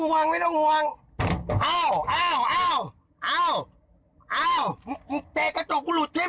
ห่วงไม่ต้องห่วงเอ้าเอ้าเอ้าเอ้าเอ้าเจกระจกกูหลุดใช่